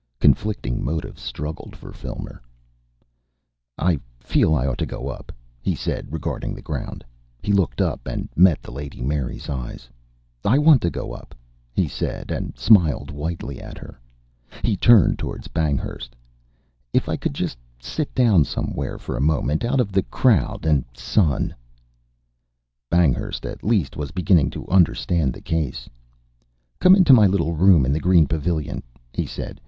Conflicting motives struggled for Filmer. "I feel I ought to go up," he said, regarding the ground. He looked up and met the Lady Mary's eyes. "I want to go up," he said, and smiled whitely at her. He turned towards Banghurst. "If I could just sit down somewhere for a moment out of the crowd and sun " Banghurst, at least, was beginning to understand the case. "Come into my little room in the green pavilion," he said.